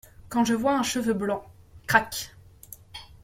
Quand je vois un cheveu blanc… crac !